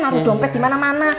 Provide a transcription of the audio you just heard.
naruh dompet dimana mana